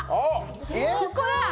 ここだ！